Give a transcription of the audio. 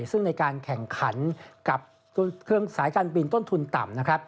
ซึ่งในการแข่งขันกับสายการบินต้นทุนต่ำ